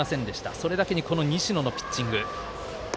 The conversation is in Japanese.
それだけに西野のピッチング。